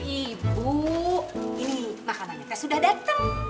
ibu ini makanannya tes udah dateng